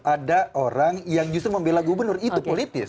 ada orang yang justru membela gubernur itu politis